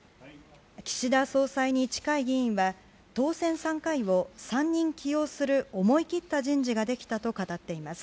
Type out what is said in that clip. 岸田総裁に近い議員は当選３回を３人起用する思い切った人事ができたと語っています。